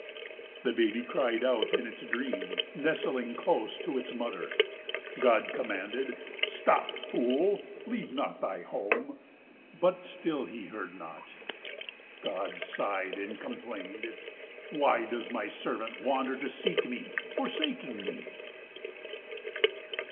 The baby cried out in its dream, nestling close to its mother. God commanded, "Stop, fool, leave not thy home," but still he heard not. God sighed and complained, "Why does my servant wander to seek me, forsaking me?"